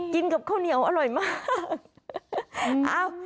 กินกับข้าวเหนียวอร่อยมาก